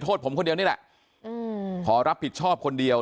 ผมคนเดียวนี่แหละอืมขอรับผิดชอบคนเดียว